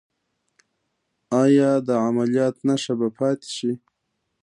ایا د عملیات نښه به پاتې شي؟